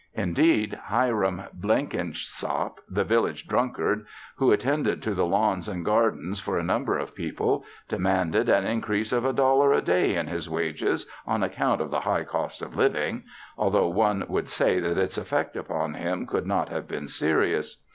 Indeed, Hiram Blenkinsop, the village drunkard, who attended to the lawns and gardens for a number of people, demanded an increase of a dollar a day in his wages on account of the high cost of living, although one would say that its effect upon him could not have been serious.